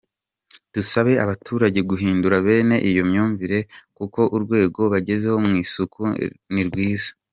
Dusaba abaturage guhindura bene iyo myumvire kuko urwego bagezeho mu isuku ni rwiza.